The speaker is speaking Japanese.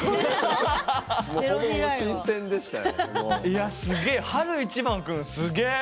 いやすげえ！